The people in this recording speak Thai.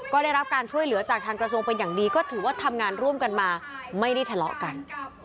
ก็ได้รับการช่วยเหลือจากทางกระทรวงเป็นอย่างดีก็ถือว่าทำงานร่วมกันมาไม่ได้ทะเลาะกัน